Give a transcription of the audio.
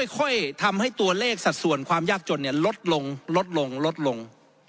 ค่อยทำให้ตัวเลขสัดส่วนความยากจนลดลงลดลงลดลง